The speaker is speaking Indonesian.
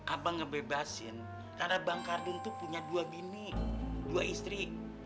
abang ngebebasin karena bang kardin itu punya dua bini dua istri